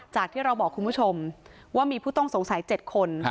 จากที่เราบอกคุณผู้ชมว่ามีผู้ต้องสงสัย๗คน